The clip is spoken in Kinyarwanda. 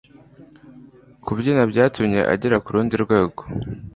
Kubyina byatumye agera kurundi rwego